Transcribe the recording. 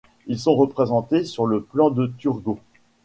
Ils sont représentés sur le plan de Turgot.